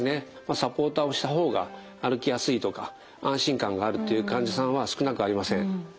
サポーターをした方が歩きやすいとか安心感があるという患者さんは少なくありません。